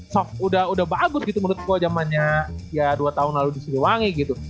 soft udah bagus gitu menurut gue zamannya ya dua tahun lalu di siliwangi gitu